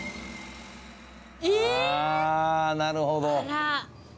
あなるほど。